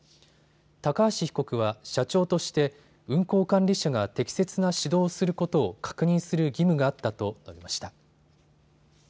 高橋被告は社長として運行管理者が適切な指導をすることを確認する義務があったと述べました。